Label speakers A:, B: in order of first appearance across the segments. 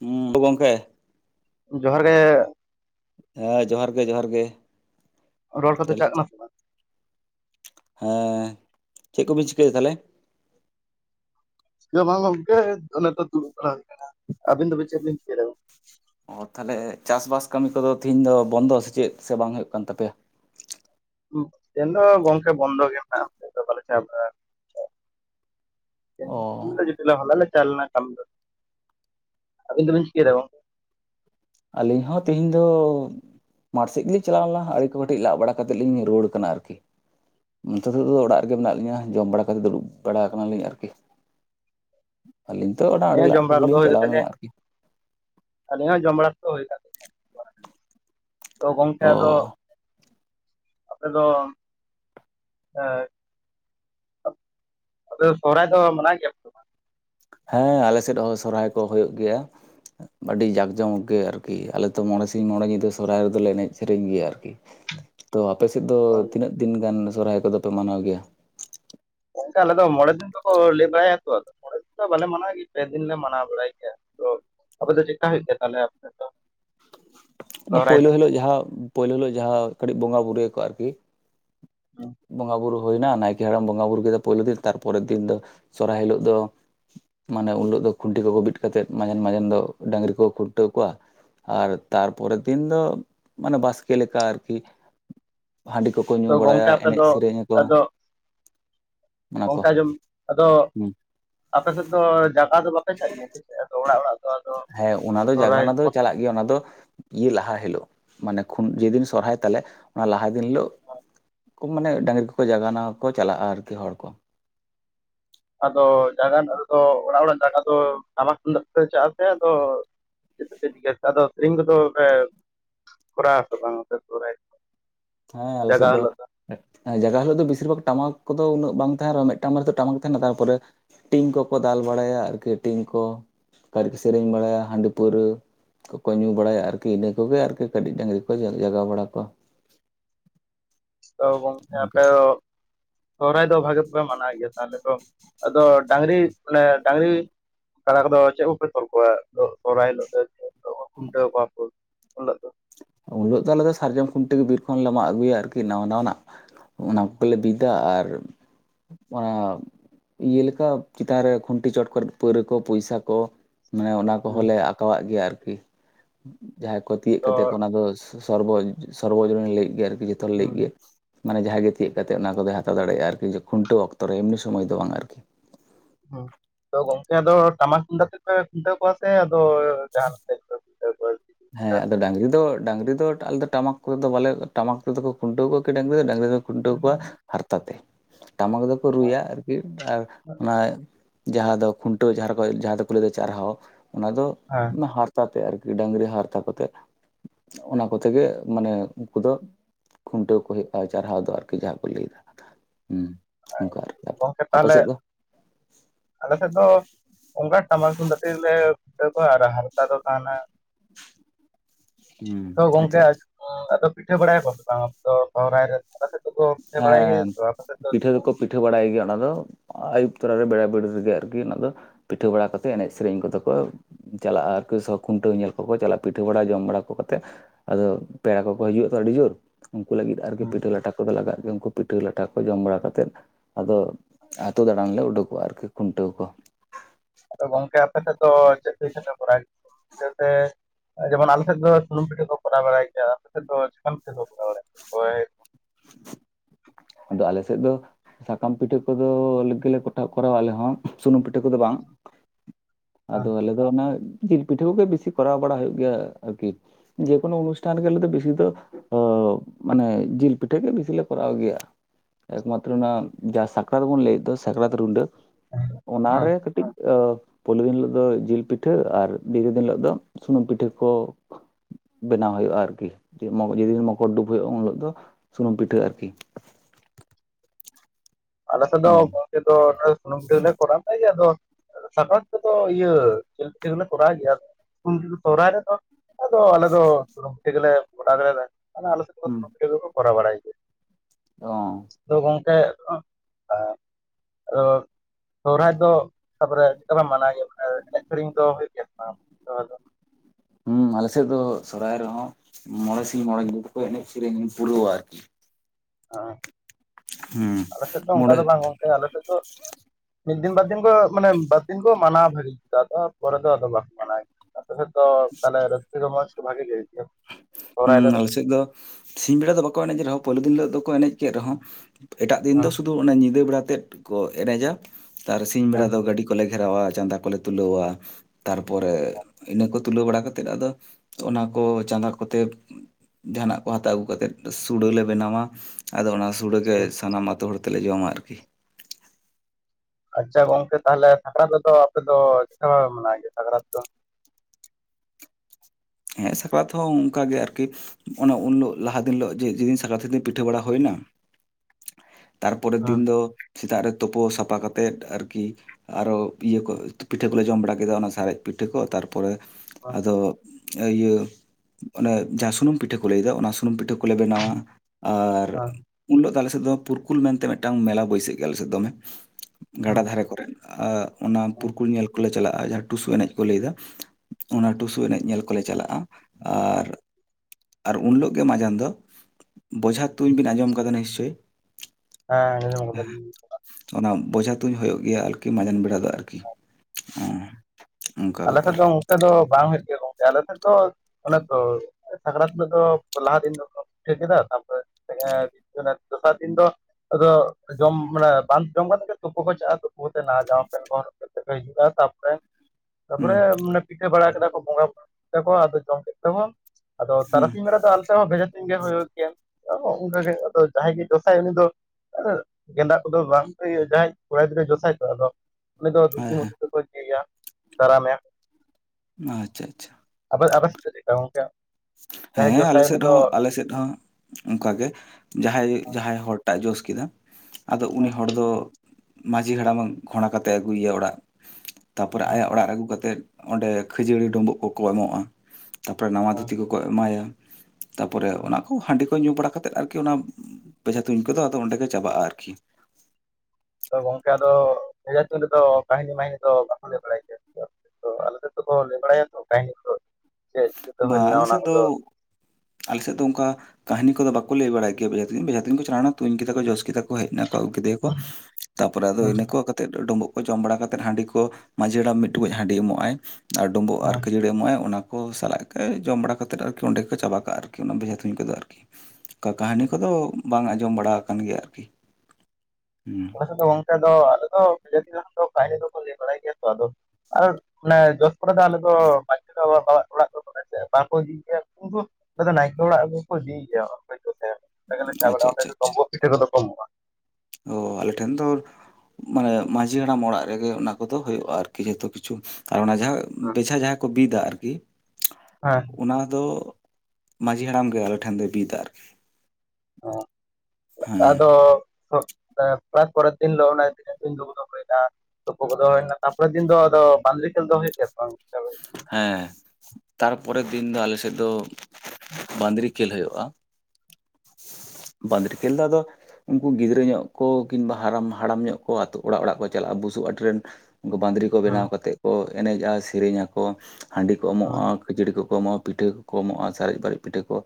A: ᱦᱩᱸ ᱜᱚᱝᱠᱮ᱾
B: ᱡᱚᱦᱟᱨ ᱜᱮ᱾
A: ᱦᱮᱸ ᱡᱚᱦᱟᱨ ᱜᱮ ᱡᱚᱦᱟᱨ ᱜᱮ᱾
B: ᱨᱚᱲ ᱠᱚᱫᱚ
A: ᱛᱟᱦᱞᱮ
B: ᱪᱟᱜ ᱠᱟᱱᱟ ᱥᱮ ᱵᱟᱝ᱾
A: ᱦᱮᱸ ᱪᱮᱜ ᱠᱩᱵᱤᱱ ᱪᱤᱠᱟᱹᱭᱟ ᱛᱟᱦᱚᱞᱮ?
B: ᱪᱤᱜ ᱦᱚᱸ ᱵᱟᱝ ᱜᱚᱝᱠᱮ ᱛᱚ ᱱᱮ ᱞᱮ ᱫᱩᱲᱩᱵ ᱵᱟᱲᱟ ᱦᱩᱭ ᱠᱟᱱᱟ ᱟᱵᱤᱱ ᱫᱚ ᱪᱮᱫ ᱵᱤᱱ ᱪᱤᱠᱟᱹᱭ ‌ᱫᱟ?
A: ᱚ ᱛᱟᱦᱚᱞᱮ ᱪᱟᱥᱼᱵᱟᱥ ᱠᱟᱢᱤ ᱠᱚᱫᱚ ᱛᱤᱦᱤᱧ ᱫᱚ ᱵᱚᱱᱫᱚ ᱥᱮ ᱪᱮᱫ ᱥᱮ ᱵᱟᱝ ᱦᱩᱭᱩᱜ ᱠᱟᱱ ᱛᱟᱯᱮᱭᱟ?
B: ᱩᱸ ᱛᱮᱦᱮᱧ ᱫᱚ ᱜᱚᱝᱠᱮ ᱵᱚᱱᱫᱚ ᱜᱮ ᱢᱮᱱᱟᱜ-ᱟ ᱛᱮ ᱛᱚ ᱵᱟᱞᱮ ᱪᱟᱜ ᱫᱟ ᱪᱮᱜ
A: ᱚ
B: ᱢᱟᱱᱮ‌ ᱡᱩ ᱛᱮ ᱟᱞᱮ‌ ᱞᱮ‌ ᱪᱟ ᱞᱮᱱᱟ ᱠᱟᱢᱤ ᱫᱚ ᱟᱵᱤᱱ ᱫᱚ ᱵᱤᱱ ᱪᱤᱠᱟᱹᱭ ᱫᱟ ᱜᱚ
A: ᱟᱞᱤᱧ ᱦᱚᱸ ᱛᱤᱦᱤᱧ ᱫᱚᱼᱼ ᱢᱟᱴᱷ ᱥᱮᱫ ᱜᱮᱞᱤᱧ ᱪᱟᱞᱟᱣ ᱞᱮᱱᱟ ᱟᱹᱲᱤ ᱠᱟᱹᱴᱤᱡ ᱞᱟᱜ ᱵᱟᱲᱟ ᱠᱟᱛᱮᱜ ᱞᱤᱧ ᱨᱩᱣᱟᱹᱲ ᱠᱟᱱᱟ ᱟᱨ ᱠᱤ᱾ ᱱᱚᱛᱮ ᱨᱮ ᱫᱚ ᱚᱲᱟᱜ ᱨᱮᱜᱮ ᱢᱮᱱᱟᱜ ᱞᱤᱧ ᱡᱚᱢ ᱵᱟᱲᱟ ᱠᱟᱛᱮᱜ ᱫᱩᱲᱩᱵ ᱵᱟᱲᱟ ᱟᱠᱟᱱᱟ ᱞᱤᱧ ᱟᱨ ᱠᱤ᱾ ᱟᱹᱞᱤᱧ ᱛᱚ ᱚᱱᱟ ᱟᱲᱤ
B: ᱦᱮᱸ
A: ᱞᱟᱜ
B: ᱡᱚᱢ ᱵᱟᱲᱟ
A: ᱠᱩᱜᱤ ᱞᱤᱧ ᱪᱟᱞᱟᱣ ᱞᱮᱱᱟ᱾
B: ᱟᱞᱮ ᱦᱚᱸ ᱡᱚᱢ ᱵᱟᱲᱟ ᱱᱤᱛᱚᱜ ᱦᱩᱭ ᱠᱟᱱ ᱛᱟᱞᱮᱭᱟ [inaudible] ᱛᱚ ᱜᱚᱝᱠᱮ
A: ᱚ
B: ᱟᱫᱚᱼᱼ ᱟᱯᱮ ᱫᱚ ᱮᱸ᱾ ᱟᱫᱚ ᱥᱚᱦᱨᱟᱭ ᱫᱚ ᱢᱟᱱᱟᱣ ᱜᱮᱭᱟᱯ
A: ᱦᱮᱸ ᱟᱞᱮ ᱥᱮᱫ ᱦᱚᱸ ᱥᱚᱨᱦᱟᱭ ᱠᱚ ᱦᱳᱭᱳᱜ ᱜᱮᱭᱟ᱾ ᱟᱹᱰᱤ ᱡᱟᱠ ᱡᱚᱢᱚᱠ ᱜᱮ ᱟᱨ ᱠᱤ ᱟᱞᱮ ᱛᱚ ᱢᱚᱬᱮ ᱥᱤᱧ ᱢᱚᱬᱮ ᱧᱤᱫᱟᱹ ᱥᱚᱨᱦᱟᱭ ᱨᱮᱫᱚ ᱞᱮ ᱮᱱᱮᱡ ᱥᱮᱨᱮᱧ ᱜᱮᱭᱟ᱾ ᱟᱨ ᱠᱤ᱾ ᱛᱚ ᱟᱯᱮ ᱥᱮᱫ ᱫᱚ
B: ᱵᱟᱝ?
A: ᱛᱤᱱᱟᱹᱜ ᱫᱤᱱ ᱜᱟᱱ ᱥᱚᱨᱦᱟᱭ ᱠᱚᱫᱚ ᱯᱮ ᱢᱟᱱᱟᱣ ᱜᱮᱭᱟ?
B: ᱚᱱᱠᱟ ᱟᱞᱮ ᱫᱚ ᱢᱚᱬᱮ ᱫᱤᱱ ᱛᱚ ᱠᱚ ᱞᱟᱹᱭ ᱵᱟᱲᱟᱭᱟ ᱛᱚ, ᱟᱨ ᱯᱚᱨᱮ ᱵᱟᱞᱮ ᱢᱟᱱᱟᱣ ᱜᱤ ᱯᱮ ᱫᱤᱱ ᱞᱮ ᱢᱟᱱᱟᱣ ᱵᱟᱲᱟᱭ ᱜᱮᱭᱟ ᱛᱚ ᱟᱯᱮ ᱫᱚ ᱪᱮᱫᱠᱟ ᱦᱩᱭᱩᱜ ᱠᱮᱭᱟ ᱛᱮ ᱛᱟᱦᱚᱞᱮ ᱟᱯᱮ ᱫᱚ? ᱥᱚᱦᱨᱟᱭ ᱫᱚ?
A: ᱯᱳᱭᱞᱳ ᱦᱤᱞᱳᱜ ᱡᱟᱦᱟᱸ ᱯᱳᱭᱞᱳ ᱦᱤᱞᱳᱜ ᱡᱟᱦᱟᱸ ᱠᱟᱹᱴᱤᱡ ᱵᱚᱸᱜᱟ ᱵᱳᱨᱳ ᱭᱟ ᱠᱳ ᱟᱨ ᱠᱤ᱾
B: ᱚᱸ᱾ [inaudible]
A: ᱵᱚᱸᱜᱟ ᱵᱩᱨᱩ ᱦᱩᱳᱱᱟ ᱱᱟᱭᱠᱮ‌ ᱦᱟᱲᱟᱢ‌ ᱵᱚᱝᱜᱟ ᱵᱳᱨᱳ ᱠᱮᱫᱟ ᱯᱳᱭᱞᱳ ᱫᱤᱱ ᱛᱟᱨᱯᱚᱨᱮ ᱫᱤᱱ ᱫᱚ ᱥᱚᱨᱦᱟᱭ ᱦᱤᱞᱳᱜ ᱫᱚ᱾ ᱢᱟᱱᱮ ᱩᱱ ᱦᱤᱞᱳᱜ ᱫᱚ ᱠᱷᱩᱱᱴᱤ ᱠᱚᱠᱚ ᱵᱤᱫ ᱠᱟᱛᱮᱫ ᱢᱟᱧᱡᱟᱱ ᱢᱟᱸᱡᱟᱱ ᱫᱚ ᱰᱟᱝᱜᱽᱨᱤ ᱠᱚ ᱠᱷᱩᱱᱴᱟᱹᱣ ᱠᱚᱣᱟ᱾ ᱟᱨ ᱛᱟᱨᱯᱚᱨᱮ ᱫᱤᱱ ᱫᱚ ᱢᱟᱱᱮ ᱵᱟᱥᱠᱮ ᱞᱮᱠᱟ ᱟᱨ ᱠᱤ ᱦᱟᱸᱰᱤ ᱠᱚ ᱠᱚ ᱧᱩ
B: ᱛᱚ
A: ᱵᱟᱲᱟᱭᱟ
B: ᱜᱚᱝᱠᱮ ᱟᱯᱮ
A: ᱮᱱᱮᱡ
B: ᱫᱚ
A: ᱥᱮᱨᱮᱧᱟ ᱠᱚ᱾
B: ᱚᱝᱠᱟ ᱡᱚᱢ ᱟᱫᱚ
A: ᱦᱩᱸ
B: ᱟᱯᱮ ᱥᱮᱫ ᱫᱚ ᱡᱟᱜᱟᱣ ᱫᱚ ᱵᱟᱯ ᱯᱮ ᱪᱟᱜ ᱜᱮᱭᱟ ᱥᱮ ᱪᱮᱫ ᱟᱫᱚ ᱚᱲᱟᱜ ᱚᱲᱟᱜ ᱫᱚ ᱟᱫᱚ ᱥᱚᱨᱟᱭᱚ ᱠᱚᱛᱼᱼ
A: ᱜᱮ ᱚᱱᱟ ᱫᱚ ᱤᱭᱟᱹ ᱞᱟᱦᱟ ᱦᱤᱞᱳᱜ ᱢᱟᱱᱮ ᱠᱷᱩᱱ ᱡᱮ ᱫᱤᱱ ᱥᱚᱨᱦᱟᱭ ᱛᱟᱞᱮ ᱚᱱᱟ ᱞᱟᱦᱟ ᱫᱤᱱ ᱦᱤᱞᱳᱜ ᱠᱩ ᱢᱟᱱᱮ ᱰᱟᱹᱝᱜᱽᱨᱤ ᱠᱚᱠᱚ ᱡᱟᱜᱟᱣᱱᱟ ᱠᱚ ᱪᱟᱞᱟᱜ-ᱟ ᱟᱨ ᱠᱤ ᱦᱚᱲ ᱠᱚ᱾
B: ᱟᱫᱚ ᱡᱟᱜᱟᱣᱱᱟᱜ ᱨᱮᱫᱚ ᱚᱲᱟᱜ ᱚᱲᱟᱜ ᱡᱟᱜᱟᱣ ᱫᱚ ᱴᱟᱢᱟᱠ ᱛᱩᱢᱫᱟᱜ ᱛᱮ ᱯᱮ ᱪᱟᱜ ᱟᱥᱮ ᱟᱫᱚ ᱪᱤᱜ ᱛᱮᱯᱮ ᱪᱤᱠᱟᱭ ᱛᱮ ᱟᱫᱚ ᱥᱤᱨᱤᱧ ᱠᱚᱫᱚ ᱯᱮ ᱠᱚᱨᱟᱣᱟ ᱥᱮ ᱵᱟᱝ ᱟᱯᱮ ᱥᱚᱦᱨᱟᱭ ᱠᱚ᱾
A: ᱦᱮᱸ ᱟᱞᱮ ᱥᱮᱫ ᱫᱚ᱾ ᱮᱸ ᱡᱟᱜᱟᱣ ᱦᱤᱞᱳᱜ ᱫᱚ ᱵᱤᱥᱤᱨ ᱵᱷᱟᱜᱽ ᱴᱟᱢᱟᱠ ᱠᱚᱫᱚ ᱩᱱᱟᱹᱜ ᱵᱟᱝ ᱛᱟᱦᱮᱱ ᱨᱮᱦᱚᱸ ᱢᱮᱜᱴᱟᱝ ᱢᱟᱠ ᱴᱟᱢᱟᱠ ᱛᱟᱦᱮᱸᱱᱟ ᱛᱟᱨᱯᱚᱨᱮ᱾ ᱴᱤᱧ ᱠᱚᱠᱚ ᱫᱟᱞ ᱵᱟᱲᱟᱭᱟ ᱟᱨᱠᱤ ᱴᱤᱧ ᱠᱚ ᱟᱨᱠᱚ ᱥᱮᱨᱮᱧ ᱵᱟᱲᱟᱭᱟ ᱦᱟᱸᱰᱤ ᱯᱟᱹᱣᱨᱟᱹ ᱠᱚᱠᱚ ᱧᱩ ᱵᱟᱲᱟᱭᱟ ᱟᱨᱠᱤ ᱤᱱᱟᱹ ᱠᱚᱜᱮ ᱟᱨᱠᱤ ᱠᱟᱹᱴᱤᱡ ᱰᱟᱝᱨᱤ ᱠᱚ ᱡᱟᱜᱟᱣ ᱵᱟᱲᱟ ᱠᱚᱣᱟ
B: ᱛᱚ ᱜᱚᱝᱠᱮ
A: ᱤᱱᱠᱟᱹ
B: ᱟᱯᱮ ᱥᱚᱦᱨᱟᱭ ᱫᱚ ᱵᱷᱟᱜᱮ ᱯᱮ ᱢᱟᱱᱟᱣ ᱜᱮᱭᱟ ᱛᱟᱦᱞᱮ ᱫᱚ ᱟᱫᱚ ᱰᱟᱝᱨᱤ ᱢᱟᱱᱮ ᱰᱟᱝᱨᱤ ᱠᱟᱲᱟ ᱠᱚᱫᱚ ᱪᱮᱫ ᱠᱚᱯᱮ ᱛᱚᱞ ᱠᱚᱣᱟ ᱥᱚᱨᱦᱟᱭ ᱦᱤᱞᱳᱜ ᱫᱚ ᱠᱷᱩᱱᱴᱟᱹᱣ ᱠᱚᱣᱟ ᱯᱮ ᱮᱱᱦᱤᱞᱳᱜ ᱫᱚ ᱾
A: ᱩᱱ ᱦᱤᱞᱳᱜ ᱫᱚ ᱟᱞᱮᱫᱚ ᱥᱟᱨᱡᱚᱢ ᱠᱷᱩᱱᱴᱤ ᱜᱮ ᱵᱤᱨ ᱠᱷᱚᱱᱞᱮ ᱢᱟᱜ ᱟᱹᱜᱩᱭᱟ ᱟᱨᱠᱤ ᱱᱟᱣᱟ ᱱᱟᱣᱟᱱᱟᱜ᱾ ᱚᱱᱟ ᱠᱚᱜᱮᱞᱮ ᱵᱤᱫᱟ ᱟᱨ ᱚᱱᱟ ᱤᱭᱟᱹ ᱞᱮᱠᱟ ᱪᱮᱛᱟᱱ ᱨᱮ ᱠᱦᱩᱱᱴᱤ ᱪᱚᱴ ᱠᱚᱨᱮ ᱯᱟᱹᱣᱨᱟ ᱠᱚ ᱯᱚᱭᱥᱟ ᱠᱚ ᱾ ᱢᱟᱱᱮ ᱚᱱᱟ ᱠᱚᱦᱚᱸᱞᱮ ᱟᱠᱟᱣᱟᱫ ᱜᱮᱭᱟ ᱟᱨᱠᱤ ᱡᱟᱦᱟᱸᱭ ᱠᱚ ᱛᱤᱭᱟ. ᱜ
B: ᱟᱫᱚ
A: ᱠᱟᱛᱮᱫ ᱟᱫᱚ ᱥᱚᱨᱵᱚ ᱥᱚᱨᱵᱚ ᱥᱚᱨᱵᱚᱡᱚᱱᱤᱱ ᱞᱟᱹᱜᱤᱫ ᱜᱮ ᱟᱨᱠᱤ ᱡᱷᱚᱛᱚ ᱦᱚᱲ ᱞᱟᱹᱜᱤᱫ
B: ᱦᱩᱸ
A: ᱜᱮ᱾ ᱢᱟᱱᱮ ᱡᱟᱸᱦᱟᱭ ᱜᱮ ᱛᱤᱭᱟ. ᱜ ᱠᱟᱛᱮᱫ ᱚᱱᱟ ᱠᱚᱫᱚᱭ ᱦᱟᱛᱟᱣ ᱫᱟᱲᱮᱭᱟᱜᱼᱟ ᱟᱨᱠᱤ ᱠᱷᱩᱱᱴᱟᱹᱣ ᱚᱠᱛᱚ ᱨᱮ ᱮᱢᱱᱤ ᱥᱚᱢᱚᱭ ᱫᱚ ᱵᱟᱝ ᱟᱨᱠᱤ᱾
B: ᱦᱩᱸ ᱛᱚ ᱜᱚᱝᱠᱮ ᱟᱫᱚ ᱴᱟᱢᱟᱠ ᱛᱩᱢᱫᱟᱜ ᱟᱛᱮᱯᱮ ᱠᱦᱩᱱᱴᱟᱹᱣ ᱠᱚᱣᱟ ᱥᱮ ᱟᱫᱚ ᱡᱟᱦᱟᱱᱟᱜ ᱛᱮᱜᱮ ᱯᱮ
A: ᱦᱮᱸ ᱟᱫᱚ ᱰᱟᱝᱨᱤ ᱫᱚ ᱰᱟᱝᱨᱤ ᱫᱚ ᱟᱞᱮ ᱴᱟᱢᱟᱠ ᱠᱚᱛᱮ ᱫᱚ ᱵᱟᱞᱮ ᱴᱟᱢᱟᱠ ᱠᱚᱛᱮ ᱫᱚ ᱠᱷᱩᱱᱴᱟᱹᱣ ᱠᱚᱣᱟ ᱠᱤ ᱰᱟᱝᱨᱤ ᱫᱚ ᱰᱟᱝᱨᱤ᱾ ᱠᱷᱩᱱᱴᱟᱹᱣ ᱠᱚᱣᱟ ᱦᱟᱨᱛᱟᱛᱮ ᱴᱟᱢᱟᱠ ᱫᱚᱠᱚ ᱨᱩᱭᱟ ᱟᱨᱠᱤ ᱟᱨ ᱚᱱᱟ ᱡᱟᱦᱟᱸ ᱫᱚ ᱠᱷᱩᱱᱴᱟᱹᱣ ᱡᱟᱦᱟᱸ ᱫᱚᱠᱚ ᱞᱟᱹᱭᱫᱟ ᱪᱟᱨᱦᱟᱣ ᱚᱱᱟ ᱫᱚ
B: ᱦᱮᱸ
A: ᱚᱱᱟ ᱦᱟᱨᱛᱟ ᱛᱮ ᱟᱨᱠᱤ ᱰᱟᱝᱨᱤ᱾ ᱦᱟᱨᱛᱟ ᱠᱚᱛᱮ ᱚᱱᱟ ᱠᱚᱛᱮ ᱜᱮ ᱢᱟᱱᱮ ᱩᱝᱠᱩ ᱫᱚ ᱠᱦᱩᱱᱴᱟᱹᱣ ᱠᱚ ᱦᱩᱭᱩᱜᱼᱟ ᱪᱟᱨᱦᱟᱣ ᱫᱚ ᱟᱨᱠᱤ ᱡᱟᱦᱟ ᱠᱚ ᱞᱟᱹᱭᱫᱟ ᱠᱟᱛᱦᱟ᱾ ᱦᱩᱹ
B: ᱜᱚᱝᱠᱮ ᱛᱟᱦᱞᱮ
A: [unintelligible]
B: ᱟᱞᱮ ᱥᱮᱫ ᱫᱚ ᱚᱝᱠᱟ ᱴᱟᱢᱟᱠ ᱛᱩᱢᱫᱟᱹᱜ ᱛᱮᱜᱞᱮ ᱠᱷᱩᱱᱴᱟᱹᱣ ᱠᱚᱣᱟ ᱟᱨ ᱦᱟᱨᱛᱟ ᱫᱚ ᱛᱟᱦᱮᱱᱟ᱾
A: ᱥᱚᱺᱧ
B: ᱛᱚ ᱜᱚᱝᱠᱮ ᱟᱫᱚ ᱯᱤᱴᱷᱟᱹ ᱵᱟᱲᱟᱭᱟᱠᱚ ᱥᱮ ᱵᱟᱝ ᱟᱯᱮ ᱥᱚᱦᱨᱟᱭ ᱨᱮ ᱟᱞᱮ ᱥᱮᱫ ᱫᱚᱠᱚ ᱯᱤᱴᱷᱟᱹ ᱵᱟᱲᱟᱭ ᱜᱮᱭᱟ
A: ᱦᱮᱸ
B: ᱛᱚ ᱟᱯᱮ ᱥᱮᱫ ᱫᱚ᱾
A: ᱯᱤᱴᱷᱟᱹ ᱫᱚᱠᱚ ᱯᱤᱴᱷᱟᱹ ᱵᱟᱲᱟᱭ ᱜᱮᱭᱟ ᱚᱱᱟᱫᱚ ᱟᱭᱩᱵ ᱛᱚᱨᱟᱨᱮ ᱵᱮᱲᱟ ᱵᱤᱲᱤ ᱨᱮᱜᱮ ᱟᱨᱠᱤ ᱚᱱᱟ ᱫᱚ᱾ ᱯᱤᱴᱦᱟᱹ ᱵᱟᱲᱟ ᱠᱟᱛᱮᱫ ᱮᱱᱮᱡ ᱥᱮᱨᱮᱧ ᱠᱚᱫᱚ ᱠᱚ ᱪᱟᱞᱟᱜᱼᱟ ᱟᱨᱠᱤ ᱥᱮ ᱠᱷᱩᱱᱴᱟᱹᱣ ᱧᱮᱞ ᱠᱚᱠᱚ ᱪᱟᱞᱟᱜᱼᱟ ᱯᱤᱴᱷᱟᱹ ᱵᱟᱲᱟ ᱡᱚᱢ ᱵᱟᱲᱟ ᱠᱚ ᱠᱟᱛᱮᱫ᱾ ᱟᱫᱚ ᱯᱮᱲᱟ ᱠᱚᱠᱚ ᱦᱤᱡᱩᱜ-ᱟ ᱛᱚ ᱟᱹᱰᱤ ᱡᱳᱨ ᱩᱱᱠᱩ ᱞᱟᱹᱜᱤᱫ ᱟᱨᱠᱤ
B: ᱦᱩᱸ
A: ᱯᱤᱴᱷᱟᱹ ᱞᱟᱴᱷᱟ ᱠᱚ᱾ ᱠᱚᱫᱚ ᱞᱟᱜᱟᱜ ᱜᱮᱭᱟ ᱩᱝᱠᱩ ᱯᱤᱴᱷᱟᱹ ᱞᱟᱴᱷᱟ ᱠᱚ ᱡᱚᱢ ᱵᱟᱲᱟ ᱠᱟᱛᱮᱫ ᱟᱫᱚ ᱟᱛᱩ ᱫᱟᱬᱟᱱ ᱞᱮ ᱩᱰᱩᱠᱚᱜᱼᱟ ᱟᱨᱠᱤ ᱠᱦᱩᱱᱴᱟᱹᱣ ᱠᱚ᱾
B: ᱟᱫᱚ ᱜᱚᱝᱠᱮ ᱟᱯᱮ ᱥᱮᱫ ᱫᱚ ᱪᱮᱫ ᱯᱤᱴᱷᱟᱹ ᱯᱮ ᱠᱚᱨᱟᱣ ᱜᱮᱭᱟ ᱥᱩᱱᱩᱢ ᱯᱤᱴᱷᱟᱹ ᱥᱮ ᱡᱮᱢᱚᱱ ᱟᱞᱮ ᱥᱮᱫ ᱫᱚ ᱥᱩᱱᱩᱢ ᱯᱤᱴᱦᱟᱹ ᱠᱚ ᱠᱚᱨᱟᱣ ᱵᱟᱲᱟᱭ ᱜᱮᱭᱟ ᱟᱯᱮ ᱥᱮᱫ ᱫᱚ ᱥᱟᱠᱟᱢ ᱯᱤᱴᱷᱟᱹ ᱠᱚ ᱠᱚᱨᱟᱣ ᱵᱟᱲᱟᱭ ᱜᱮᱭᱟ᱾ ᱦᱳᱭᱮ
A: ᱟᱫᱚ ᱟᱞᱮᱥᱮᱫ ᱫᱚ᱾ ᱥᱟᱠᱟᱢ ᱯᱤᱴᱷᱟᱹ ᱠᱚᱫᱚ ᱟᱞᱮᱠ ᱜᱮᱞᱮ ᱠᱚᱴᱟᱣ ᱠᱚᱨᱟᱣᱟ ᱟᱞᱮ ᱦᱚᱸ ᱥᱩᱱᱩᱢ ᱯᱤᱴᱷᱟᱹ ᱠᱚᱫᱚ ᱵᱟᱝ ᱟᱫᱚ ᱟᱞᱮ ᱫᱚ ᱚᱱᱟ ᱡᱤᱞ ᱯᱤᱴᱷᱟᱹ ᱠᱚᱜᱮ ᱵᱤᱥᱤ ᱠᱚᱨᱟᱣ ᱵᱟᱲᱟ ᱦᱩᱭᱩᱜ ᱜᱮᱭᱟ ᱟᱨᱠᱤ᱾ ᱡᱮ ᱠᱚᱳᱚ ᱚᱱᱩᱥᱴᱷᱟᱱ ᱨᱮᱜᱮ ᱟᱞᱮ ᱫᱚ ᱵᱤᱥᱤ ᱫᱚ ᱦᱳ, ᱢᱟᱱᱮ ᱡᱤᱞ ᱯᱤᱴᱷᱟᱹ ᱜᱮ ᱵᱤᱥᱤ ᱞᱮ ᱠᱚᱨᱟᱣ ᱜᱮᱭᱟ᱾ ᱮᱠᱢᱟᱛᱨᱚ ᱚᱱᱟ ᱡᱟᱦᱟ ᱥᱟᱠᱨᱟᱛ ᱵᱚᱱ ᱞᱟᱹᱭᱮᱫ ᱫᱚ ᱥᱟᱠᱨᱟᱛ ᱨᱩᱸᱰᱟᱹ
B: ᱦᱮᱸ
A: ᱚᱱᱟᱨᱮ ᱠᱟᱹᱴᱤᱡ᱾ ᱟ ᱯᱳᱭᱞᱳ ᱫᱤᱱ ᱦᱤᱞᱳᱜ ᱫᱚ ᱡᱤᱞ ᱯᱤᱴᱷᱟᱹ ᱟᱨ [unintelligible] ᱫᱤᱱ ᱦᱤᱞᱳᱜ ᱫᱚ ᱥᱩᱱᱩᱢ ᱯᱤᱴᱦᱟᱹᱠᱚ᱾ ᱵᱮᱱᱟᱣ ᱦᱩᱭᱩᱜᱼᱟ ᱟᱨᱠᱤ ᱡᱮᱫᱤᱱ ᱢᱚᱠᱚᱨ ᱰᱩᱵ ᱦᱩᱭᱩᱜᱼᱟ ᱩᱱ ᱦᱤᱞᱳᱜ ᱫᱚ᱾ ᱥᱩᱱᱩᱢ ᱯᱤᱴᱷᱟᱹ ᱟᱨᱠᱤ᱾
B: ᱟᱞᱮ ᱥᱮᱫ ᱫᱚ
A: ᱦᱩᱸ
B: ᱜᱚᱢᱠᱮ ᱫᱚ ᱥᱩᱱᱩᱢ ᱜᱮᱞᱮ ᱠᱚᱨᱟᱣ ᱠᱮᱫ ᱜᱮ ᱟᱫᱚ ᱥᱟᱠᱨᱟᱛ ᱠᱚᱫᱚ ᱤᱭᱟᱹ ᱪᱮᱫᱟᱜ ᱜᱮᱞᱮ ᱠᱚᱨᱟᱣ ᱜᱮᱭᱟ ᱥᱚᱨᱦᱟᱭ ᱨᱮᱫᱚ ᱟᱫᱚ ᱟᱞᱮ ᱫᱚ ᱥᱩᱱᱩᱢ ᱯᱤᱴᱷᱟᱹ ᱜᱮᱞᱮ ᱠᱚᱨᱟᱣ ᱫᱟᱲᱮᱟᱭᱟᱜ ᱟᱞᱮ ᱥᱮᱫ ᱫᱚ
A: ᱦᱩᱸ
B: ᱥᱩᱱᱩᱢ ᱯᱤᱴᱦᱟᱹ ᱜᱮᱠᱚ ᱠᱚᱨᱟᱣ ᱵᱟᱲᱟᱭ ᱜᱮᱭᱟ ᱾
A: ᱚ
B: ᱛᱚ ᱜᱚᱝᱠᱮ ᱚᱸᱜ ᱟ ᱟᱨᱚ ᱥᱚᱨᱦᱟᱭ ᱫᱚ ᱛᱟᱯᱚᱨᱮ ᱪᱮᱠᱟ ᱯᱮ ᱢᱟᱱᱟᱣ ᱜᱮᱭᱟ ᱢᱟᱱᱮ ᱮᱱᱮᱡ ᱥᱮᱨᱮᱧ ᱫᱚ ᱦᱩᱭᱩᱜ ᱜᱮᱭᱟ ᱥᱮ ᱵᱟᱝ ᱥᱚᱦᱨᱟᱭ ᱫᱚ
A: ᱦᱩᱸ ᱟᱞᱮᱥᱮᱫ ᱫᱚ ᱥᱚᱨᱦᱟᱭ ᱨᱮᱦᱚᱸ ᱢᱚᱬᱮ ᱥᱤᱧ ᱢᱚᱬᱮ ᱧᱤᱫᱟᱹ ᱫᱚᱠᱚ ᱮᱱᱮᱡ ᱥᱮᱨᱮᱧ ᱯᱩᱨᱟᱹᱣᱼᱟ ᱟᱨᱠᱤ᱾
B: ᱟᱸ
A: ᱦᱩᱸ
B: ᱟᱞᱮ ᱥᱮᱫ ᱫᱚ ᱚᱱᱠᱟ
A: ᱢᱚᱬᱮ
B: ᱫᱚ ᱵᱟᱝ ᱜᱚᱝᱠᱮ ᱟᱞᱮ ᱥᱮᱫ ᱫᱚ᱾ ᱢᱤᱫ ᱫᱤᱱ ᱵᱟᱨ ᱫᱤᱱ ᱠᱚ ᱢᱟᱱᱮ ᱵᱟᱨ ᱫᱤᱱ ᱠᱚ ᱢᱟᱱᱟᱣᱟ ᱵᱷᱟᱜᱤ ᱜᱮ ᱟᱫᱚ ᱯᱚᱨᱮ ᱫᱚ ᱟᱫᱚ ᱵᱟᱠᱚ ᱢᱟᱱᱟᱣ ᱜᱮᱭᱟ ᱾ ᱟᱯᱮᱱᱥᱮᱫ ᱫᱚ ᱛᱟᱦᱞᱮ ᱨᱟ. ᱥᱠᱟ. ᱨᱚᱢᱚᱡᱽ ᱠᱚ ᱵᱷᱟᱜᱮ ᱜᱮ ᱦᱩᱭᱩᱜ ᱫᱚ
A: ᱦᱩᱸ ᱟᱞᱮᱥᱮᱫ ᱫᱚ ᱥᱤᱧ ᱵᱮᱲᱟ ᱫᱚ ᱵᱟᱠᱚ ᱮᱱᱮᱡ ᱨᱮᱦᱚᱸ ᱯᱳᱞᱳ ᱫᱤᱱ ᱦᱤᱞᱳᱜ ᱫᱚᱠᱚ ᱮᱱᱮᱡ ᱠᱮᱫ ᱨᱮᱦᱚᱸ ᱮᱴᱟᱜ ᱫᱤᱱ ᱫᱚ
B: ᱦᱮᱸ
A: ᱥᱩᱫᱷᱩ ᱚᱱᱟ ᱧᱤᱫᱟᱹ ᱵᱮᱲᱟ ᱛᱮᱫ ᱠᱚ ᱮᱱᱮᱡᱟ ᱛᱟᱨᱟᱥᱤᱧ ᱵᱮᱲᱟ
B: ᱦᱮᱸ
A: ᱫᱚ ᱜᱟᱹᱰᱤ ᱠᱚ ᱠᱚᱞᱮ ᱜᱷᱮᱨᱟᱣᱟ ᱪᱟᱸᱫᱟ ᱠᱚᱞᱮ ᱛᱩᱞᱟᱹᱣᱟ ᱛᱟᱨᱯᱚᱨᱮ ᱤᱱᱟᱹ ᱠᱚ ᱛᱩᱞᱟᱹᱣ ᱵᱟᱲᱟ ᱠᱟᱛᱮᱫ ᱟᱫᱚ ᱚᱱᱟ ᱠᱚ ᱪᱟᱸᱫᱟ ᱠᱚᱛᱮ ᱡᱟᱦᱟᱱᱟᱜ ᱠᱚ ᱦᱟᱛᱟᱣ ᱟᱹᱜᱩ ᱠᱟᱛᱮ ᱥᱩᱲᱮᱸ ᱞᱮ ᱵᱮᱱᱟᱣᱟ ᱟᱫᱚ ᱚᱱᱟ ᱥᱩᱲᱟᱹ ᱜᱮ ᱥᱟᱱᱟᱢ ᱟᱛᱳ ᱦᱚᱲ ᱛᱮᱞᱮ ᱡᱚᱢᱟ ᱟᱨᱠᱤ
B: ᱟᱪᱪᱷᱟ ᱜᱚᱝᱠᱮ ᱛᱟᱦᱚᱞᱮ ᱥᱟᱠᱨᱟᱛ ᱨᱮᱫᱚ ᱟᱯᱮ ᱫᱚ ᱪᱮᱫᱠᱟ ᱯᱮ ᱢᱟᱱᱟᱣ ᱜᱮᱭᱟ ᱥᱟᱠᱨᱟᱛ ᱫᱚ
A: ᱦᱮᱸ ᱥᱟᱠᱨᱟᱛ ᱦᱚᱸ ᱚᱱᱠᱟ ᱜᱮ ᱟᱨᱠᱤ ᱚᱱᱟ ᱩᱱ ᱦᱤᱞᱳᱜ ᱞᱟᱦᱟ ᱫᱤᱱ ᱦᱤᱞᱳᱜ ᱡᱮᱫᱤᱱ ᱥᱟᱠᱨᱟᱛ ᱫᱤᱱ ᱯᱤᱴᱷᱟᱹ ᱵᱟᱲᱟ ᱦᱩᱭᱱᱟ ᱛᱟᱨᱯᱚᱨᱮᱨ
B: ᱦᱩᱸ
A: ᱫᱤᱱ ᱫᱚ ᱥᱮᱛᱟᱜ ᱨᱮ ᱛᱳᱯᱳ ᱥᱟᱯᱷᱟ ᱠᱟᱛᱮᱫ ᱟᱨᱠᱤ ᱟᱨᱚ ᱤᱭᱟᱹ ᱠᱚ ᱯᱤᱴᱷᱟᱹ ᱠᱚᱞᱮ ᱡᱚᱢ ᱵᱟᱲᱟ ᱠᱮᱫᱟ ᱚᱱᱟ ᱥᱟᱨᱮᱡ ᱯᱤᱴᱷᱟᱹ ᱠᱚ ᱛᱟᱨᱯᱚᱨᱮ
B: ᱦᱩᱸ
A: ᱟᱫᱚ ᱤᱭᱟᱹ ᱚᱱᱮ ᱡᱟᱦᱟᱸ ᱥᱩᱱᱩᱢ ᱯᱤᱴᱷᱟᱹ ᱠᱚ ᱞᱟᱹᱭᱫᱟ ᱚᱱᱟ ᱥᱩᱱᱩᱢ ᱯᱤᱴᱷᱟᱹ ᱠᱚᱞᱮ ᱵᱮᱱᱟᱣᱟ ᱟᱨ ᱩᱱ ᱦᱤᱞᱳᱜ ᱫᱚ ᱟᱞᱮ ᱥᱮᱫ ᱫᱚ ᱯᱩᱨᱠᱩᱞ ᱢᱮᱱᱛᱮ ᱢᱤᱫᱴᱟᱝ ᱢᱮᱞᱟ ᱵᱟᱹᱭᱥᱟᱹᱜ ᱜᱮᱭᱟ ᱟᱞᱮ ᱥᱮᱫ ᱫᱚᱢᱮ ᱜᱟᱰᱟ
B: ᱦᱩᱸ
A: ᱫᱷᱟᱨᱮ ᱠᱚᱨᱮ ᱚᱱᱟ
B: ᱦᱩᱸ
A: ᱯᱩᱨᱠᱩᱞ ᱧᱮᱞ ᱠᱚᱞᱮ ᱪᱟᱞᱟᱜ-ᱟ ᱡᱟᱦᱟᱸ ᱴᱩᱥᱩ ᱮᱱᱮᱡ ᱠᱚ ᱞᱟᱹᱭ ᱮᱫᱟ ᱚᱱᱟ ᱴᱩᱥᱩ ᱮᱱᱮᱡ ᱧᱮᱞ ᱠᱚᱞᱮ ᱪᱟᱞᱟᱜ-ᱟ ᱟᱨ ᱟᱨ ᱩᱱ ᱦᱤᱞᱳᱜ ᱜᱮ ᱢᱟᱡᱟᱱ ᱫᱚ ᱵᱚᱡᱷᱟ ᱛᱩᱧ ᱵᱤᱱ ᱟᱸᱡᱚᱢ ᱠᱟᱫᱟ ᱱᱤᱥᱪᱳᱭ
B: ᱦᱮᱸ ᱟᱸᱡᱟᱢ ᱠᱟᱫᱟᱞᱤᱧ
A: ᱚᱱᱟ ᱵᱚᱡᱷᱟ ᱛᱩᱧ ᱦᱩᱭᱩᱜ ᱜᱮᱭᱟ ᱟᱨᱠᱤ ᱢᱟᱸᱡᱟᱱ ᱵᱮᱲᱟ ᱫᱚ ᱟᱨᱠᱤ, ᱚᱱᱠᱟ
B: ᱟᱞᱮ ᱥᱮᱫ
A: ᱵᱮᱯᱟᱨ
B: ᱫᱚ ᱚᱱᱠᱟ ᱫᱚ ᱵᱟᱝ ᱦᱩᱭᱩᱜ ᱜᱮᱭᱟ ᱜᱚᱝᱠᱮ ᱟᱞᱮ ᱥᱮᱫ ᱫᱚ ᱚᱱᱮ ᱛᱚ ᱥᱟᱠᱨᱟᱛ ᱦᱤᱞᱳᱜ ᱫᱚ ᱞᱟᱦᱟ ᱫᱤᱱ ᱫᱚᱠᱚ ᱯᱤᱴᱷᱟᱹ ᱠᱮᱫᱟ ᱛᱟᱨᱯᱚᱨᱮ ᱫᱚᱥᱟᱨ ᱫᱤᱱ ᱫᱚ ᱟᱫᱚ ᱡᱚᱢ ᱢᱟᱱᱮ ᱵᱟᱝ ᱡᱚᱢ ᱠᱟᱛᱮ ᱛᱩᱯᱩ ᱠᱚ ᱪᱟᱞᱟᱜ-ᱟ ᱛᱩᱯᱩ ᱠᱟᱛᱮ ᱱᱟᱶᱟ ᱡᱟᱢᱟ ᱯᱮᱱᱴ ᱦᱚᱨᱚᱜ ᱠᱟᱛᱮ ᱠᱚ ᱦᱤᱡᱩᱜ-ᱟ ᱛᱟᱨᱯᱚᱨᱮ
A: ᱦᱩᱸ
B: ᱛᱟᱯᱚᱨᱮ ᱯᱤᱴᱷᱟᱹ ᱵᱟᱲᱟ ᱠᱮᱫᱟ ᱠᱚ ᱵᱚᱸᱜᱟ ᱠᱮᱫᱟᱠᱚ ᱟᱫᱚ ᱡᱚᱢ ᱠᱮᱫ ᱛᱮᱵᱚᱱ ᱟᱫᱚ
A: ᱦᱩᱸ
B: ᱛᱟᱨᱟᱥᱤᱧ ᱵᱮᱲᱟ ᱫᱚ ᱟᱞᱮ ᱥᱮᱫ ᱦᱚᱸ ᱵᱷᱮᱡᱟ ᱛᱩᱧ ᱜᱮ ᱦᱩᱭᱩᱜ ᱜᱮᱭᱟ ᱟᱫᱚ ᱡᱟᱦᱟᱸᱭ ᱜᱮ ᱡᱚᱥᱟᱭ ᱩᱱᱤ ᱫᱚ ᱜᱮᱸᱫᱟᱜ ᱠᱚᱫᱚ ᱵᱟᱝ ᱡᱟᱦᱟᱸᱭ ᱠᱚᱲᱟ ᱜᱤᱫᱽᱨᱟᱹ ᱡᱚᱥᱟᱭ ᱛᱚ ᱟᱫᱚ ᱩᱱᱤ ᱫᱚ ᱫᱷᱩᱛᱤ
A: ᱦᱮᱸ ᱦᱮᱸ
B: ᱢᱩᱛᱤ ᱛᱮᱠᱚ ᱤᱭᱟᱹᱭᱟ ᱫᱟᱨᱟᱢᱮᱭᱟ
A: ᱟᱪᱪᱷᱟ ᱟᱪᱪᱷᱟ
B: ᱟᱯᱮ ᱥᱮᱫ ᱫᱚ ᱪᱮᱫᱠᱟ ᱜᱚᱝᱠᱮ ᱡᱟᱦᱟᱸᱭ
A: ᱦᱮᱸ ᱟᱞᱮ
B: ᱡᱚᱥᱟᱭ ᱩᱱᱤ
A: ᱥᱮᱫ
B: ᱫᱚ
A: ᱦᱚᱸ ᱟᱞᱮ ᱥᱮᱫ ᱦᱚᱸ ᱚᱱᱠᱟᱜᱮ ᱡᱟᱦᱟᱸᱭ ᱡᱟᱦᱟᱸᱭ ᱦᱚᱲᱴᱟᱜ ᱮ ᱡᱚᱥ ᱠᱮᱫᱟ ᱟᱫᱚ ᱩᱱᱤ ᱦᱚᱲ ᱫᱚ ᱢᱟᱹᱡᱷᱤ ᱦᱟᱲᱟᱢ ᱮ ᱜᱷᱚᱲᱟ ᱠᱟᱛᱮ ᱟᱹᱜᱩᱭᱮᱭᱟ ᱚᱲᱟᱜ ᱛᱟᱨᱯᱚᱨᱮ ᱟᱭᱟᱜ ᱚᱲᱟᱜ ᱨᱮ ᱟᱹᱜᱩ ᱠᱟᱛᱮᱫ ᱚᱸᱰᱮ ᱠᱷᱟᱹᱡᱟᱹᱲᱤ ᱰᱩᱸᱵᱩᱜ ᱠᱚᱠᱚ ᱮᱢᱚᱜ-ᱟ ᱛᱟᱨᱯᱚᱨᱮ ᱫᱷᱩᱛᱤ ᱠᱚ ᱠᱚ ᱮᱢᱟᱭᱟ ᱛᱟᱨᱯᱚᱨᱮ ᱚᱱᱟ ᱠᱚ ᱦᱟᱺᱰᱤ ᱠᱚᱠᱚ ᱧᱩ ᱵᱟᱲᱟ ᱠᱟᱛᱮᱫ ᱟᱨᱠᱤ ᱚᱱᱟ ᱵᱮᱡᱷᱟ ᱛᱩᱧ ᱠᱚᱫᱚ ᱟᱫᱚ ᱚᱸᱰᱮ ᱜᱮ ᱪᱟᱵᱟᱜ-ᱟ ᱟᱨᱠᱤ
B: ᱛᱚ ᱜᱚᱝᱠᱮ ᱟᱫᱚ ᱵᱮᱡᱷᱟ ᱛᱩᱧ ᱨᱮᱫᱚ ᱠᱟᱹᱦᱤᱱᱤ ᱢᱟᱦᱤᱱᱤ ᱛᱚ ᱵᱟᱠᱚ ᱞᱟᱹᱭ ᱵᱟᱲᱟᱭᱟ ᱛᱚ ᱛᱚ ᱟᱞᱮ ᱥᱮᱫ ᱫᱚᱠᱚ ᱞᱟᱹᱭ ᱵᱟᱲᱟᱭᱟ ᱛᱚ ᱠᱟᱹᱦᱱᱤ ᱠᱚ ᱪᱮᱫ ᱪᱮᱫᱠᱟ ᱦᱩᱭ ᱞᱮᱱᱟ ᱚᱱᱟ ᱠᱚᱫᱚ
A: ᱟᱞᱮᱥᱮᱫ ᱫᱚ ᱚᱱᱠᱟ ᱠᱟᱹᱦᱱᱤ ᱠᱚᱫᱚ ᱵᱟᱠᱚ ᱞᱟᱹᱭ ᱵᱟᱲᱟᱭ ᱜᱮᱭᱟ ᱵᱮᱡᱷᱟ ᱛᱩᱧ, ᱵᱮᱡᱷᱟ ᱛᱩᱧ ᱠᱚ ᱪᱟᱞᱟᱣᱱᱟ ᱛᱩᱧ ᱠᱮᱫᱟ ᱠᱚ ᱡᱚᱥ ᱠᱮᱫᱟ ᱠᱚ ᱦᱮᱡ ᱱᱟᱠᱚ ᱟᱜᱩ ᱠᱮᱫᱮᱭᱟᱠᱚ ᱛᱟᱯᱚᱨᱮ ᱟᱫᱚ
B: ᱦᱮᱸ
A: ᱦᱩᱭᱱᱟ ᱠᱚ ᱰᱩᱢᱵᱩᱜ ᱠᱚ ᱡᱚᱢ ᱵᱟᱲᱟ ᱠᱟᱛᱮᱫ ᱦᱟᱺᱰᱤ ᱠᱚ ᱢᱟᱺᱡᱷᱤ ᱦᱟᱲᱟᱢ ᱢᱤᱫ ᱴᱩᱠᱩᱡ ᱦᱟᱺᱰᱤ ᱮᱢᱚᱜ-ᱟᱭ ᱟᱨ ᱰᱳᱸᱵᱩᱜ ᱟᱨ ᱠᱷᱟᱹᱡᱟᱹᱲᱤ ᱮᱢᱚᱜ-ᱟᱭ ᱚᱱᱟ ᱠᱚᱢ ᱥᱟᱞᱟᱜ ᱜᱮ ᱡᱚᱢ ᱵᱟᱲᱟ ᱠᱟᱛᱮᱫ, ᱟᱨᱠᱤ ᱚᱸᱰᱮᱠᱚ, ᱪᱟᱵᱟ ᱠᱟᱜᱼᱟ ᱟᱨᱠᱤ ᱚᱱᱟ ᱫᱚ ᱵᱡᱷᱟ ᱛᱩᱧ ᱠᱚᱫᱚ ᱟᱨᱠᱤ ᱾ ᱚᱱᱠᱟ ᱠᱟᱹᱦᱱᱤ ᱠᱚᱫᱚ ᱵᱟᱝ ᱟᱸᱡᱚᱢ ᱵᱟᱲᱟ ᱟᱠᱟᱱ ᱜᱮᱭᱟ
B: ᱛᱚ ᱜᱚᱝᱠᱮ ᱫᱚ ᱟᱞᱮ ᱫᱚ ᱠᱷᱟᱭ ᱫᱚᱠᱚ ᱞᱟᱹᱭ ᱵᱟᱲᱟᱭ ᱜᱮᱭᱟ ᱛᱚ ᱟᱫᱚ ᱟᱨ ᱚᱱᱮ ᱡᱚᱥ ᱠᱚᱨᱮ ᱫᱚ ᱟᱞᱮ ᱫᱚ ᱵᱟᱪᱮ ᱫᱚ ᱨᱟᱜ ᱚᱲᱟᱜ ᱨᱮ ᱵᱟ [inaudible] ᱵᱟᱠᱚ ᱤᱫᱤᱭ ᱜᱮᱭᱟ ᱩᱱᱠᱩ ᱱᱟᱭᱠᱮ ᱚᱲᱟᱜ ᱨᱮᱜᱮ ᱠᱚ ᱤᱫᱤᱭ ᱮᱭᱟ ᱚᱠᱚᱭ ᱠᱚ ᱥᱮ ᱛᱮ ᱪᱟ
A: ᱟᱪᱪᱷᱟ ᱟᱪᱪᱷᱟ
B: ᱵᱮᱲᱟ
A: ᱟᱪᱪᱷᱟ
B: ᱠᱚᱢᱚᱜ-ᱟ ᱯᱤᱴᱷᱟᱠᱚᱫᱚ ᱠᱚ ᱠᱚᱢᱚᱜ-ᱟ
A: ᱚ ᱟᱞᱮ ᱴᱷᱮᱱ ᱫᱚ ᱢᱟᱱᱮ ᱢᱟᱺᱡᱷᱤ ᱦᱟᱲᱟᱢ ᱚᱲᱟᱜ ᱨᱮᱜᱮ ᱚᱱᱟ ᱠᱚᱫᱚ ᱦᱩᱭᱩᱜ-ᱟ ᱟᱨᱠᱤ ᱡᱷᱚᱛᱚ ᱠᱤᱪᱷᱩ ᱟᱨ ᱚᱱᱟ ᱡᱟᱦᱟᱸ ᱵᱮᱡᱷᱟ ᱡᱟᱦᱟᱸ ᱠᱚ ᱵᱤᱫᱟ ᱟᱨᱠᱤ
B: ᱦᱮᱸ
A: ᱚᱱᱟ ᱫᱚ ᱢᱟᱹᱡᱽᱷᱤ ᱦᱟᱲᱟᱢ ᱜᱮ ᱟᱞᱮ ᱴᱷᱮᱱ ᱫᱚᱭ ᱵᱤᱫᱟ ᱟᱨᱠᱤ ᱦᱮᱸ
B: ᱟᱫᱚ ᱛᱟᱨ ᱯᱚᱨᱮᱨ ᱫᱤᱱ ᱦᱤᱞᱚᱜ ᱚᱱᱮ ᱛᱤᱱᱟ ᱫᱤᱱ ᱫᱩ [unintelligible] ᱛᱩᱯᱩ ᱠᱚ ᱫᱚ ᱦᱩᱭᱱᱟ ᱛᱟᱨ ᱯᱚᱨᱮ ᱫᱤᱱ ᱫᱚ ᱟᱫᱚ ᱵᱟᱸᱫᱽᱨᱤ ᱠᱷᱮᱞ ᱫᱚ ᱦᱩᱭᱩᱜ ᱜᱮᱭᱟ ᱥᱮ ᱵᱟᱝ
A: ᱦᱮᱸ ᱛᱟᱨᱯᱚᱨᱮᱨ ᱫᱤᱱ ᱫᱚ ᱟᱞᱮ ᱥᱮᱫ ᱫᱚ ᱵᱟᱸᱫᱽᱨᱤ ᱠᱷᱮᱞ ᱦᱳᱭᱳᱜᱼᱟ ᱵᱟᱺᱫᱽᱨᱤ ᱠᱷᱮᱞ ᱫᱚ ᱟᱫᱚ ᱩᱱᱠᱩ ᱜᱤᱫᱽᱨᱟᱹ ᱧᱚᱜ ᱠᱚ ᱠᱤᱝᱵᱟ ᱦᱟᱨᱟᱢ ᱦᱟᱲᱟᱢ ᱧᱚᱜ ᱠᱚ ᱟᱹᱛᱩ ᱚᱲᱟᱜ ᱚᱲᱟᱜ ᱠᱚ ᱪᱟᱞᱟᱜᱼᱟ ᱵᱩᱥᱩᱵ ᱟᱴᱤ ᱨᱮᱱ ᱩᱱᱠᱩ ᱵᱟᱸᱫᱽᱨᱤ ᱠᱚ
B: ᱦᱮᱸ
A: ᱵᱮᱱᱟᱣ ᱠᱟᱛᱮᱫ ᱠᱚ ᱮᱱᱮᱡᱼᱟ ᱥᱮᱨᱮᱧ ᱟᱠᱚ ᱦᱟᱸᱰᱤ ᱠᱚ
B: ᱦᱮᱸ
A: ᱮᱢᱚᱜᱼᱟ ᱠᱷᱟᱹᱡᱟᱹᱲᱤ ᱠᱚ ᱠᱚ ᱮᱢᱚᱜᱼᱟ ᱯᱤᱴᱷᱟᱹ ᱠᱚ ᱠᱚ ᱮᱢᱚᱜᱼᱟ ᱥᱟᱨᱮᱡ ᱵᱟᱨᱮᱡ ᱯᱤᱴᱷᱟᱹ ᱠᱚ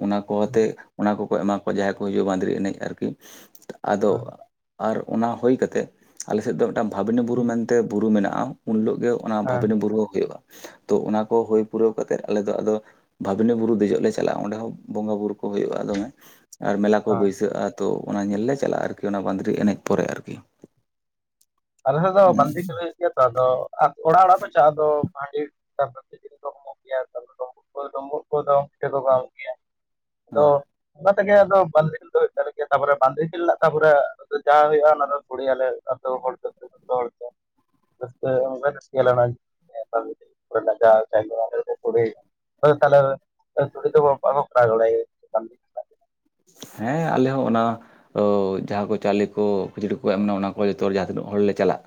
A: ᱚᱱᱟ ᱠᱚ ᱟᱛᱮ ᱩᱱᱠᱩ ᱠᱚ ᱮᱢᱟ ᱠᱚᱣᱟ ᱡᱟᱦᱟᱸᱭ ᱠᱚ ᱦᱤᱡᱩᱜᱼᱟ ᱵᱟᱸᱫᱽᱨᱤ ᱮᱱᱮᱡ ᱟᱨᱠᱤ ᱟᱫᱚ
B: ᱦᱮᱸ
A: ᱟᱨ ᱚᱱᱟ ᱦᱳᱭ ᱠᱟᱛᱮᱫ ᱟᱞᱮ ᱥᱮᱫ ᱫᱚ ᱢᱤᱫᱴᱟᱝ ᱵᱷᱟᱵᱽᱱᱤ ᱵᱩᱨᱩ ᱢᱮᱱᱛᱮ ᱵᱩᱨᱩ ᱢᱮᱱᱟᱜᱼᱟ ᱩᱱ ᱦᱤᱞᱳᱜ ᱜᱮ ᱚᱱᱟ
B: ᱦᱮᱸ
A: ᱵᱷᱟᱵᱽᱤᱱᱤ ᱵᱩᱨᱩ ᱦᱳᱭᱳᱜᱼᱟ ᱛᱚ ᱚᱱᱟ ᱠᱚ ᱦᱳᱭ ᱯᱩᱨᱟᱹᱣ ᱠᱟᱛᱮᱫ ᱟᱞᱮ ᱫᱚ ᱟᱫᱚ ᱵᱷᱟᱵᱽᱱᱤ ᱵᱩᱨᱩ ᱫᱮᱡᱚᱜ ᱞᱮ ᱪᱟᱞᱟᱜᱼᱟ ᱚᱸᱰᱮ ᱦᱚᱸ ᱵᱚᱸᱜᱟᱼᱵᱩᱨᱩ ᱠᱚ ᱦᱳᱭᱳᱜᱼᱟ ᱫᱚᱢᱮ ᱟᱨ ᱢᱮᱞᱟ ᱠᱚ ᱵᱟᱹᱭᱥᱟᱹᱜᱼᱟ ᱛᱚ ᱚᱱᱟ ᱧᱮᱞ ᱞᱮ ᱪᱟᱞᱟᱜᱼᱟ ᱟᱨᱠᱤ ᱚᱱᱟ ᱵᱟᱸᱫᱽᱨᱤ ᱮᱱᱮᱡ ᱯᱚᱨᱮ ᱟᱨᱠᱤ
B: ᱟᱞᱮ ᱦᱚᱸ ᱫᱟᱫᱟ ᱵᱟᱸᱫᱽᱨᱤ ᱫᱚ
A: ᱦᱩᱸ
B: ᱞᱮ [unintelligible] ᱴᱤᱠ ᱜᱮᱭᱟ ᱛᱚ ᱟᱫᱚ ᱚᱲᱟᱜ ᱚᱲᱟᱜ ᱯᱮ ᱪᱟᱜ ᱟᱛᱚ ᱦᱟᱺᱰᱤ ᱡᱤᱱ ᱠᱚᱢᱚᱜ ᱜᱮᱭᱟ ᱛᱚ [unintelligible] ᱰᱩᱢᱵᱩᱜ ᱠᱚ ᱰᱩᱢᱵᱩᱜ ᱠᱚᱫᱚ ᱛᱮ ᱠᱚ ᱜᱮᱭᱟ ᱟᱫᱚ [unintelligible] ᱚᱱᱟ ᱛᱮᱜᱮ ᱟᱫᱚ ᱵᱚᱱᱤᱞ [inaudible] ᱛᱟᱯᱚᱨᱮ ᱵᱟᱸᱫᱮ ᱠᱷᱮᱞ ᱛᱟᱯᱚᱨᱮ ᱡᱟᱦᱟᱸ ᱦᱩᱭᱩᱜᱼᱟ ᱚᱱᱟ ᱫᱚ ᱥᱩᱲᱮ ᱟᱞᱮ ᱟᱹᱛᱩ ᱦᱚᱲ ᱫᱚ
A: [inaudible]
B: [unintelligible] [unintelligible] ᱠᱷᱮᱞ ᱨᱮᱱᱟᱜ ᱫᱚ᱾
A: ᱦᱮᱸ ᱟᱞᱮ ᱦᱚᱸ ᱚᱱᱟ ᱚ ᱡᱟᱦᱟᱸ ᱠᱚ ᱪᱟᱣᱞᱮ ᱠᱚ ᱠᱷᱟᱹᱡᱟᱹᱲᱤ ᱠᱚ ᱮᱢ ᱮᱱᱟ ᱚᱱᱟ ᱠᱚ ᱡᱚᱛᱚ ᱡᱟᱦᱟᱸ ᱛᱤᱱᱟᱹᱜ ᱦᱚᱲ ᱞᱮ ᱪᱟᱞᱟᱜ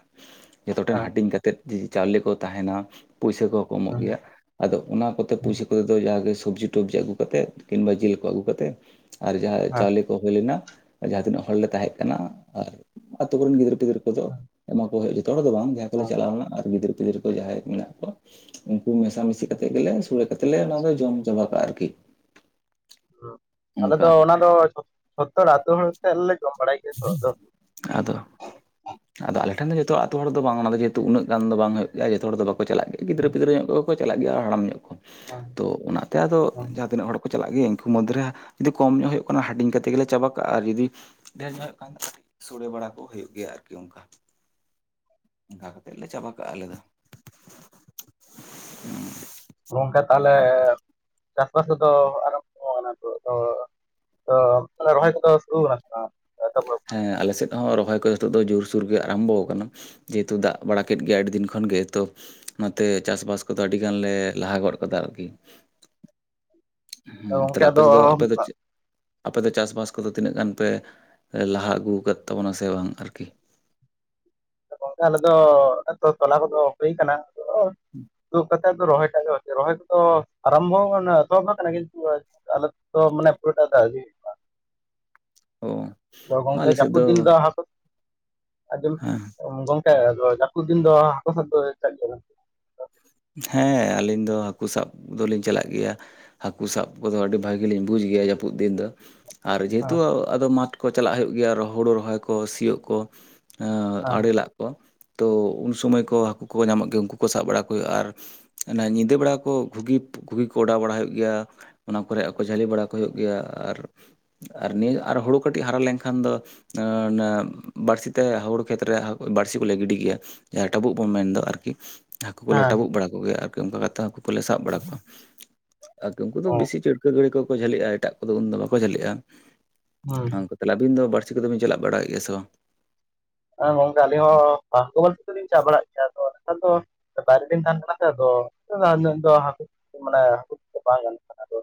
A: ᱡᱷᱚᱛᱚ ᱴᱷᱮᱱ
B: ᱦᱮᱸ
A: ᱦᱟᱹᱴᱤᱧ ᱠᱟᱛᱮᱫ ᱡᱩᱫᱤ ᱪᱟᱣᱞᱮ ᱠᱚ ᱛᱟᱦᱮᱸᱱᱟ ᱯᱩᱭᱥᱟᱹ ᱠᱚᱦᱚᱸ ᱠᱚ ᱮᱢᱚᱜ
B: ᱦᱮᱸ
A: ᱜᱮᱭᱟ ᱟᱫᱚ ᱚᱱᱟ ᱠᱚᱛᱮ
B: ᱦᱮᱸ
A: ᱯᱩᱭᱥᱟᱹ ᱠᱚᱛᱮ ᱫᱚ, ᱡᱟᱦᱟᱜᱮ ᱥᱚᱵᱽᱡᱤ ᱴᱚᱵᱡᱤ ᱟᱹᱜᱩ ᱠᱟᱛᱮᱜ, ᱠᱤᱝᱵᱟ ᱡᱤᱞ ᱠᱚ ᱟᱹᱜᱩ ᱠᱟᱛᱮ, ᱟᱨ ᱡᱟᱦᱟᱸ
B: ᱦᱮᱸ ᱦᱮᱸ
A: ᱪᱟᱣᱞᱮ ᱠᱚ ᱦᱩᱭ ᱞᱮᱱᱟ ᱟᱨ ᱡᱟᱦᱟᱸ ᱛᱤᱱᱟᱹᱜ ᱦᱚᱲ ᱞᱮ ᱛᱟᱦᱮᱸᱜ ᱠᱟᱱᱟ ᱟᱨ ᱟᱛᱳ ᱠᱚ ᱨᱮᱱ ᱜᱤᱫᱽᱨᱟᱹ ᱜᱤᱫᱽᱨᱟᱹ ᱠᱚ ᱫᱚ ᱮᱢᱟ ᱠᱚ ᱦᱩᱭᱩᱜᱼᱟ ᱡᱚᱛᱚ ᱦᱚᱲ ᱫᱚ ᱵᱟᱝ ᱡᱟᱦᱟᱸ ᱠᱚ ᱞᱮ ᱪᱟᱞᱟᱣ ᱞᱮᱱᱟ ᱟᱨ ᱜᱤᱫᱽᱨᱟᱹ ᱯᱤᱫᱽᱟᱹᱨᱟᱹ ᱠᱚ ᱡᱟᱦᱟᱸᱭ ᱠᱚ ᱢᱮᱱᱟᱜ ᱠᱚᱣᱟ ᱩᱱᱠᱩ ᱢᱮᱥᱟ ᱢᱤᱥᱤ ᱠᱟᱛᱮᱫ ᱜᱮ ᱞᱮ ᱥᱳᱲᱮ ᱠᱟᱛᱮ ᱞᱮ ᱚᱱᱟ ᱫᱚ ᱡᱚᱢ ᱪᱟᱵᱟ ᱠᱟᱜᱼᱟ ᱟᱨᱠᱤ
B: ᱟᱞᱮ
A: ᱚᱱᱠᱟ
B: ᱫᱚ ᱚᱱᱟ ᱫᱚ, ᱡᱷᱚᱛᱚ ᱟᱹᱛᱳ ᱦᱚᱲ ᱛᱮᱞᱮ ᱡᱚᱢ ᱵᱟᱲᱟᱭ ᱜᱮᱭᱟ ᱾
A: ᱟᱫᱚ ᱟᱫᱚ ᱟᱞᱮ ᱴᱷᱮᱱ ᱫᱚ ᱡᱚᱛᱚ ᱟᱹᱛᱩ ᱦᱚᱲ ᱫᱚ ᱵᱟᱝ ᱚᱱᱟ ᱫᱚ ᱡᱮᱦᱮᱛᱩ ᱩᱱᱟᱹᱜ ᱜᱟᱱ ᱵᱟᱝ ᱫᱚ ᱦᱩᱭᱩᱜ ᱜᱮᱭᱟ ᱡᱚᱛᱚ ᱦᱚᱲ ᱫᱚ ᱵᱟᱠᱚ ᱪᱟᱞᱟᱜ ᱜᱮᱭᱟ ᱜᱤᱫᱽᱨᱟᱹ ᱯᱤᱫᱽᱨᱟᱹ ᱧᱚᱜ ᱠᱚᱜᱮ ᱠᱚ ᱪᱟᱞᱟᱜ ᱜᱮᱭᱟ ᱟᱨ ᱦᱟᱲᱟᱢ ᱧᱚᱜ ᱠᱚ
B: ᱦᱮᱸ
A: ᱛᱚ ᱚᱱᱟ ᱛᱮ ᱟᱫᱚ
B: ᱦᱮᱸ
A: ᱡᱟᱦᱟᱸ ᱛᱤᱱᱟᱹᱜ ᱦᱚᱲ ᱠᱚ ᱪᱟᱞᱟᱜ ᱜᱤᱭᱟᱹᱧ ᱩᱱᱠᱩ ᱢᱚᱫᱽᱨᱮ ᱡᱩᱫᱤ ᱠᱚᱢ ᱧᱚᱜ ᱦᱩᱭᱩᱜ ᱠᱟᱱᱟ ᱦᱟᱴᱤᱧ ᱠᱟᱛᱮ ᱜᱮᱞᱮ ᱪᱟᱵᱟ ᱠᱟᱜᱼᱟ ᱟᱨ ᱡᱩᱫᱤ ᱰᱷᱮᱨ ᱧᱚᱜ ᱦᱩᱭᱩᱜ ᱠᱟᱱ ᱫᱚ ᱥᱩᱲᱮ ᱵᱟᱲᱟ ᱠᱚ ᱦᱩᱭᱩᱜ ᱜᱮᱭᱟ ᱟᱨᱠᱤ ᱚᱱᱠᱟ ᱚᱱᱠᱟ ᱠᱟᱛᱮᱫ ᱞᱮ ᱪᱟᱵᱟ ᱠᱟᱜᱼᱟ ᱟᱞᱮ ᱫᱚ
B: ᱜᱚᱝᱠᱮ ᱛᱟᱦᱚᱞᱮ ᱪᱟᱥ ᱵᱟᱥ ᱠᱚᱫᱚ ᱟᱨᱚᱢᱵᱚ? ᱛᱚ ᱚᱱᱛᱮ ᱫᱚ ᱨᱚᱦᱚᱭ ᱠᱚᱫᱚ ᱥᱩᱨᱩ ᱠᱟᱱᱟ ᱥᱮ ᱵᱟᱝ ᱛᱟᱯᱚᱨ
A: ᱦᱮᱸ ᱟᱞᱮ ᱥᱮᱫ ᱦᱚᱸ ᱨᱚᱦᱚᱭ ᱠᱚ ᱦᱤᱛᱚᱜ ᱫᱚ ᱡᱩᱨ-ᱥᱩᱨ ᱜᱮ ᱟᱨᱟᱢᱵᱚ ᱠᱟᱱᱟ ᱡᱮᱦᱩᱛᱩ ᱫᱟᱜ ᱵᱟᱲᱟ ᱠᱮᱫ ᱜᱮᱭᱟ, ᱟᱹᱰᱤ ᱫᱤᱱ ᱠᱷᱚᱱ ᱜᱮ ᱛᱚ ᱚᱱᱟᱛᱮ ᱪᱟᱥᱵᱟᱥ ᱠᱚᱫᱚ ᱟᱹᱰᱤ ᱜᱟᱱᱞᱮ ᱞᱟᱦᱟ ᱜᱚᱫ ᱠᱟᱫᱟ ᱟᱨᱠᱤ ᱦᱩᱸ
B: ᱜᱚᱝᱠᱮ
A: ᱛᱟᱞᱦᱮ ᱟᱯᱮ
B: ᱟᱫᱚ
A: ᱥᱮᱫ ᱫᱚ ᱟᱯᱮ ᱫᱚ ᱪᱮᱫ ᱟᱯᱮ ᱫᱚ ᱪᱟᱥ ᱵᱟᱥ ᱠᱚ ᱫᱚ ᱛᱤᱱᱟᱹᱜ ᱜᱟᱱ ᱯᱮ ᱞᱟᱦᱟ ᱟᱹᱜᱩ ᱟᱠᱟᱫ ᱛᱟᱵᱚᱱᱟ ᱥᱮ ᱵᱟᱝ ᱟᱨᱠᱤ
B: ᱜᱚᱝᱠᱮ ᱟᱞᱮ ᱫᱚ ᱛᱚᱞᱟ ᱠᱚᱫᱚ ᱦᱩᱭ ᱠᱟᱱᱟ ᱫᱚ ᱨᱚᱦᱚᱭ ᱴᱟ ᱜᱮ ᱦᱚᱪᱪᱮ ᱨᱚᱦᱚᱭ ᱠᱚ ᱫᱚ ᱟᱨᱟᱢᱵᱷᱚ ᱠᱟᱟᱱ ᱮᱛᱚᱦᱚᱵ ᱠᱟᱱᱟ ᱠᱤᱱᱛᱩ [unintelligible] ᱛᱟᱦᱚᱞᱮ ᱛᱚ ᱢᱟᱱᱮ ᱯᱩᱨᱟᱹᱴᱟᱜ ᱫᱟᱜ ᱜᱤ ᱾
A: ᱚ
B: ᱜᱚᱝᱠᱮ
A: ᱟᱞᱮ ᱥᱮᱫ
B: ᱡᱟᱹᱯᱩᱫ ᱫᱤᱱ ᱫᱚ ᱟ ᱟᱡᱚᱢ
A: ᱦᱮᱸ
B: ᱠᱮ [unintelligible] ᱦᱮᱸ ᱟᱫᱚ ᱡᱟᱹᱯᱩᱫ ᱫᱤᱱ ᱫᱚ ᱦᱟᱹᱠᱩ ᱥᱟᱵ ᱫᱚ
A: ᱦᱮᱸ ᱟᱹᱞᱤᱧ ᱫᱚ ᱦᱟᱹᱠᱩ ᱥᱟᱵ ᱫᱚᱞᱤᱧ ᱪᱟᱞᱟᱜ ᱜᱮᱭᱟ ᱦᱟᱹᱠᱩ ᱥᱟᱵ ᱠᱚᱫᱚ ᱟᱹᱰᱤ ᱵᱷᱟᱹᱜ ᱞᱤᱧ ᱵᱩᱡᱽ ᱜᱮᱭᱟ ᱡᱟᱹᱯᱩᱫ ᱫᱤᱱ ᱫᱚ ᱟᱨ
B: ᱦᱮᱸ
A: ᱡᱮᱦᱮᱛᱩ ᱟᱫᱚ ᱢᱟᱴᱷ ᱠᱚ ᱪᱟᱞᱟᱜ ᱦᱩᱭᱩᱜ ᱜᱮᱭᱟ ᱦᱩᱲᱩ ᱨᱚᱦᱚᱭ ᱠᱚ ᱥᱤᱭᱳᱜ ᱠᱚ
B: ᱦᱮᱸ
A: ᱟᱲᱮᱞᱟᱜ ᱠᱚ ᱛᱚ ᱩᱱ ᱥᱚᱢᱟᱹᱭ ᱠᱚ ᱦᱟᱹᱠᱩ ᱠᱚᱠᱚ ᱧᱟᱢᱚᱜ ᱜᱮ ᱩᱱᱠᱩ ᱠᱚ ᱥᱟᱵ ᱵᱟᱲᱟ ᱠᱚ ᱼᱟ ᱟᱨ ᱚᱱᱟ ᱧᱤᱫᱟᱹ ᱵᱮᱲᱟ ᱠᱚ ᱜᱩᱜᱤ ᱜᱩᱜᱤ ᱠᱚ ᱚᱰᱟᱣ ᱵᱟᱲᱟ ᱦᱩᱭᱩᱜ ᱜᱮᱭᱟ ᱚᱱᱟ ᱠᱚᱨᱮ ᱟᱠᱚ ᱡᱷᱟᱹᱞᱤ ᱵᱟᱲᱟ ᱠᱚ ᱦᱩᱭᱩᱜ ᱜᱮᱭᱟ ᱟᱨ ᱟᱨ ᱱᱤᱭᱟᱹ ᱟᱨ ᱦᱩᱲᱩ ᱠᱟᱹᱴᱤᱡ ᱦᱟᱨᱟ ᱞᱮᱱᱠᱷᱟᱱ ᱫᱚ ᱵᱟᱹᱲᱥᱤ ᱛᱮ ᱦᱩᱲᱩ ᱠᱷᱮᱛᱨᱮ ᱵᱟᱹᱲᱥᱤ ᱠᱚᱞᱮ ᱜᱤᱰᱤ ᱜᱮᱭᱟ ᱡᱟᱦᱟᱸ ᱴᱟᱹᱵᱩᱜ ᱵᱚᱱ ᱢᱮᱱᱫᱟ ᱟᱨᱠᱤ ᱦᱟᱹᱠᱩ ᱠᱚᱞᱮ
B: ᱦᱮᱸ
A: ᱴᱟᱵᱩᱜ ᱵᱟᱲᱟ ᱠᱚᱜᱮᱭᱟ ᱟᱨᱠᱤ ᱚᱱᱠᱟ ᱠᱟᱛᱮᱫ ᱦᱟᱹᱠᱩ ᱠᱚᱞᱮ ᱥᱟᱵ ᱵᱟᱲᱟ ᱠᱚᱣᱟ ᱟᱨᱤ ᱩᱱᱠᱩ ᱫᱚ ᱵᱮᱥᱤ ᱪᱷᱟᱹᱲᱠᱟᱹ ᱜᱷᱟᱹᱲᱤ ᱠᱚᱠᱚ ᱡᱷᱟᱹᱞᱤᱜᱼᱟ ᱮᱴᱟᱜ ᱠᱚᱫᱚ ᱩᱱᱫᱚ ᱵᱟᱠᱚ ᱡᱷᱟᱹᱞᱤᱜᱼᱟ
B: ᱦᱩᱸ
A: ᱛᱟᱦᱚᱞᱮ ᱟᱵᱤᱱ ᱫᱚ ᱵᱟᱹᱲᱥᱤ ᱠᱚᱫᱚᱵᱤᱱ ᱪᱟᱞᱟᱜ ᱵᱟᱲᱟᱭ ᱜᱮᱭᱟ ᱥᱮ ᱵᱟᱝ
B: ᱮᱸ ᱜᱚᱝᱠᱮ ᱟᱹᱞᱤᱧ ᱦᱚᱸ ᱠᱚ ᱜᱚᱞ ᱛᱮ ᱞᱤᱧ ᱪᱟ ᱵᱟᱲᱟᱜᱮᱫ ᱜᱮ ᱟ ᱟᱫᱚ ᱱᱮᱛ ᱫᱚ ᱵᱟᱨᱮ ᱨᱤᱱ ᱛᱟᱦᱮᱱ ᱠᱟᱱᱟ ᱛᱚ ᱟᱫᱚᱱᱟ ᱫᱚ ᱦᱟᱠᱚ ᱢᱟᱱᱮ [unintelligible] ᱵᱟᱝ [unintelligible]